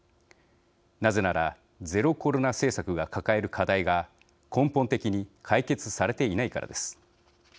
なぜなら、ゼロコロナ政策が抱える課題が、根本的に解決されていないからです。